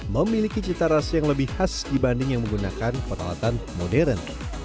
memiliki cita rasa yang lebih khas dibanding yang menggunakan peralatan modern